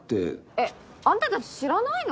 えっあんたたち知らないの？